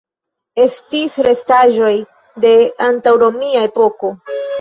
Estis restaĵoj de antaŭromia epoko.